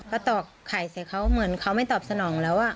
ก็ตอกไข่เสร็จเขาเหมือนเขาไม่ตอบสนองแล้ว